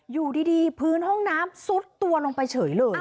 อยู่ดีพื้นห้องน้ำซุดตัวลงไปเฉยเลย